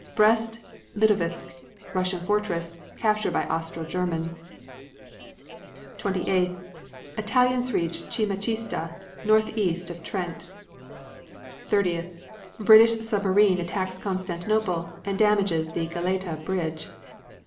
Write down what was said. Brest Litovsk, Russian fortress, captured by Austro Germans. 28. Italians reach Cima Cista, northeast of Trent. 30. British submarine attacks Constantinople and damages the Galata Bridge.